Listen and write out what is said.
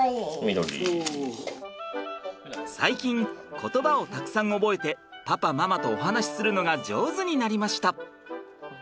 最近言葉をたくさん覚えてパパママとお話しするのが上手になりました。